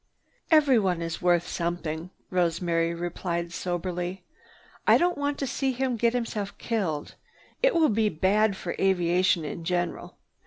"Everyone is worth something," Rosemary replied soberly. "I don't want to see him get himself killed. It will be bad for aviation in general.